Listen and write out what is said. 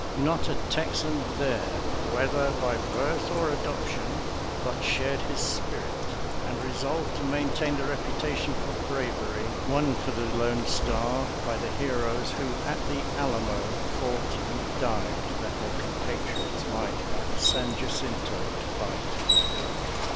Not a Texan there, whether by birth or adop tion, but shared his spirit and resolved to main tain the reputation for bravery won for the "Lone Star" by the heroes who at the Alamo fought and died that their compatriots might at San Jacinto fight and win.